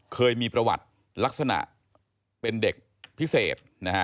เคยมีประวัติลักษณะเป็นเด็กพิเศษนะฮะ